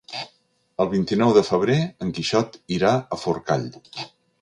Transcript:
El vint-i-nou de febrer en Quixot irà a Forcall.